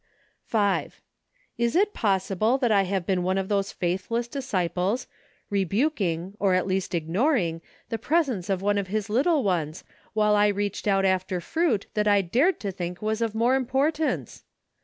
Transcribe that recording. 5. Is it possible that I have been one of those faithless disciples, rebuking, or at least ignoring, the presence of one of His little ones, while I reached out after fruit that I dared to think was of more importance!